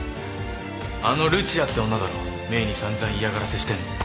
あのルチアって女だろメイに散々嫌がらせしてんの。